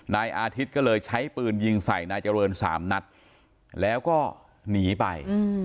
นายอาทิตย์ก็เลยใช้ปืนยิงใส่นายเจริญสามนัดแล้วก็หนีไป